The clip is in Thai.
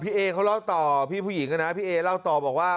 เอเขาเล่าต่อพี่ผู้หญิงนะพี่เอเล่าต่อบอกว่า